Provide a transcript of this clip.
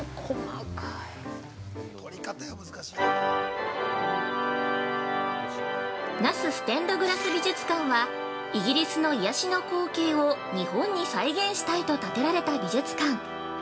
◆那須ステンドグラス美術館はイギリスの癒しの光景を日本に再現したいと建てられた美術館。